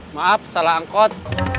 maaf salah angkot